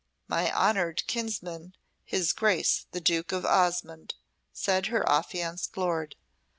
"My honoured kinsman, his Grace the Duke of Osmonde," said her affianced lord.